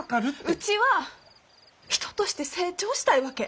うちは人として成長したいわけ。